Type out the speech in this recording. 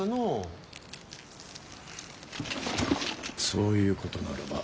そういうことならば。